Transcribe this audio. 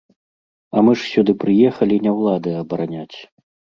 А мы ж сюды прыехалі не ўлады абараняць.